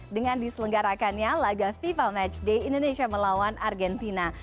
dengan diselenggarakannya laga fifa match day indonesia melawan argentina